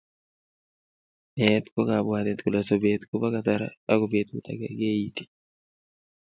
Meet ko kabwatet kole sobeet kobo kasar ako betut age keiti.